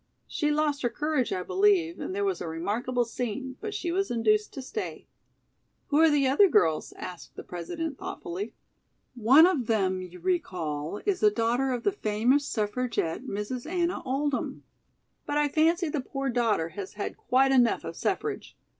She lost her courage, I believe, and there was a remarkable scene, but she was induced to stay." "Who are the other girls?" asked the President thoughtfully. "One of them, you recall, is a daughter of the famous suffragette, Mrs. Anna Oldham. But I fancy the poor daughter has had quite enough of suffrage.